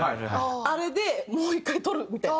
あれでもう１回録るみたいな。